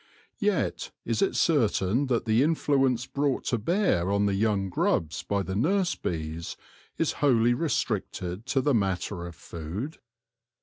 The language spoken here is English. Yet is it certain that the influence brought to bear on the young grubs by the nurse bees is wholly restricted to the matter of food